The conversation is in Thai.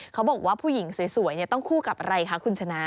เขาบอกว่าผู้หญิงสวยต้องคู่กับอะไรคะคุณชนะ